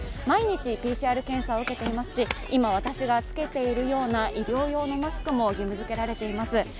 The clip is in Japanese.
毎日ＰＣＲ検査を受けていますし、今、私がつけているような医療用のマスクも義務づけられています。